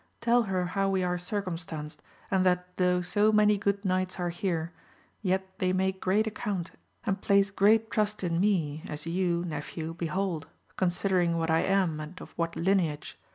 Tell her how we are cir cumstanced, and that though so many good knights are here, yet they make great account, and place great trust in me as you nephew behold, considering what I am and of what lineage.